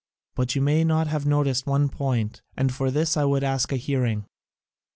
But you may not have noticed one point, and for this I would ask a hearing.